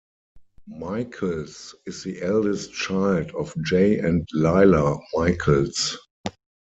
Michaels is the eldest child of Jay and Lila Michaels.